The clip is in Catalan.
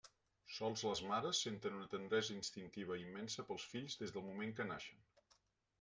Sols les mares senten una tendresa instintiva i immensa pels fills des del moment que naixen.